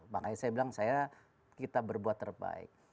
makanya saya bilang saya kita berbuat terbaik